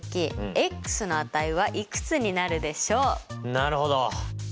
なるほど！